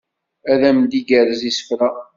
Ad am d-igerrez isefra